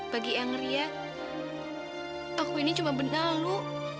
bagi eang ria aku ini cuma benal lu